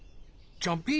ジャンピー？